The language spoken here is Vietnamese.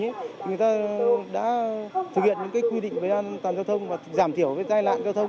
thì người ta đã thực hiện những cái quy định về an toàn giao thông và giảm thiểu cái tai nạn giao thông